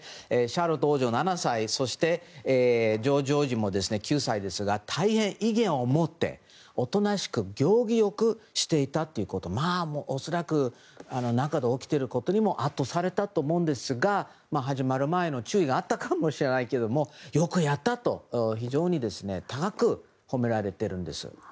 シャーロット王女、７歳そして、ジョージ王子も９歳ですが大変威厳を持っておとなしく行儀良くしていたとまあ、恐らく起きていることにも圧倒されたと思うんですが始まる前の注意があったかもしれないけどもよくやったと、非常に高く褒められているんです。